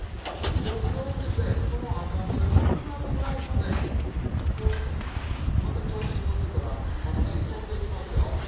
火を強めてこの赤みがなくなるぐらいまでこうしてまた調子に乗ってたらたまねぎ飛んでいきますよ。